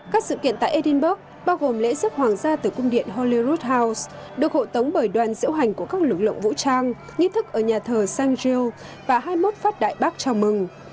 các sự kiện tại edinburgh bao gồm lễ giấc hoàng gia từ cung điện holyrood house được hộ tống bởi đoàn diễu hành của các lực lượng vũ trang như thức ở nhà thờ st gilles và hai mươi một phát đại bắc chào mừng